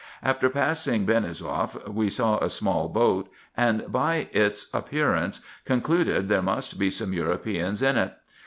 After passing Benisouef we saw a small boat, and, by its ap pearance, concluded there must be some Europeans in it.